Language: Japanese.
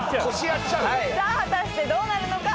果たしてどうなるのか？